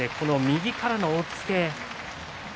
右からの押っつけ。